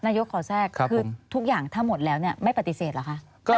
ขอแทรกคือทุกอย่างถ้าหมดแล้วไม่ปฏิเสธเหรอคะ